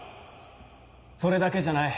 それだけじゃない。